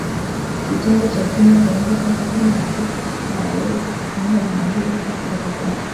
kitengo cha tuhuma za uongo hata kama wahusika hawawezi kupenda jina hili Kuongoza kwake